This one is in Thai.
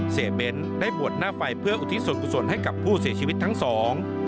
เบ้นได้บวชหน้าไฟเพื่ออุทิศส่วนกุศลให้กับผู้เสียชีวิตทั้งสอง